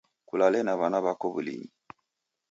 Kulale na w'ana wako w'ulinyi